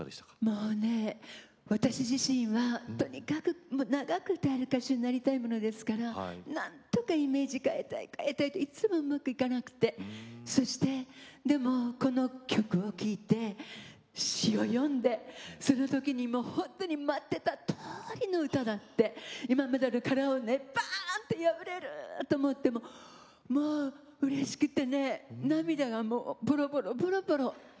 もうね、私自身はとにかく長く歌える歌手になりたいものですからなんとかイメージ変えたい、変えたいっていつもうまくいかなくてそして、でもこの曲を聴いて詞を読んで、そんなときに待っていたとおりの歌だって今まである殻をバーンと破れると思ってもう、うれしくてね涙がポロポロ、ポロポロ。